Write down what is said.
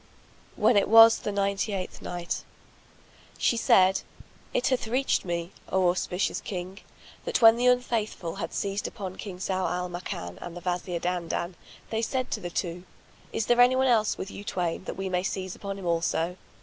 When it was the Ninety eighth Night, She said, It hath reached me, O auspicious King, that when the Unfaithful had seized upon King Zau al Makan and the Wazir Dandan, they said to the two, "Is there anyone else with you twain, that we may seize upon him also?"